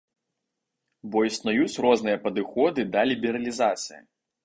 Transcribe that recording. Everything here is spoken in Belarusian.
Бо існуюць розныя падыходы да лібералізацыі.